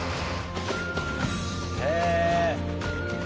へえ。